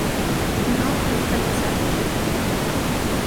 No localitzat.